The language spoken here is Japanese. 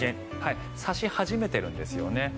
差し始めているんですよね。